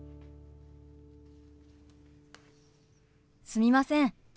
すみません。